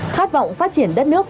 khát vọng phát triển đất nước